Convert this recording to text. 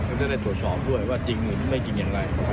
มันจะได้ตรวจสอบด้วยว่าจริงหรือไม่จริงอย่างไร